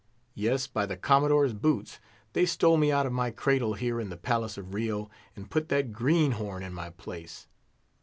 Yes, by the Commodore's boots! they stole me out of my cradle here in the palace of Rio, and put that green horn in my place.